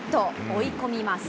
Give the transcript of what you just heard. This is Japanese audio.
追い込みます。